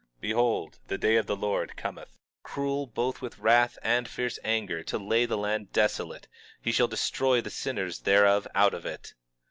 23:9 Behold, the day of the Lord cometh, cruel both with wrath and fierce anger, to lay the land desolate; and he shall destroy the sinners thereof out of it.